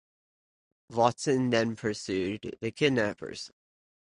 Watson then pursued the kidnappers.